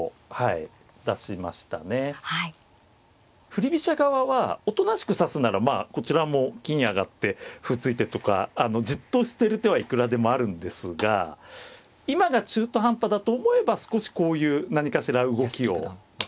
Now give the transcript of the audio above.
振り飛車側はおとなしく指すならこちらも金上がって歩突いてとかじっとしてる手はいくらでもあるんですが今が中途半端だと思えば少しこういう何かしら動きを。